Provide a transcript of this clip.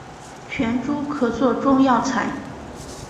全株可做中药材。